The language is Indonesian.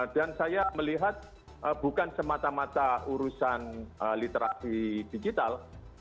dan saya melihat bukan semata mata urusan literasi digital